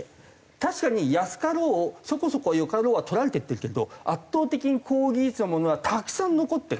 確かに安かろうそこそこ良かろうは取られていってるけれど圧倒的に高技術なものはたくさん残ってる。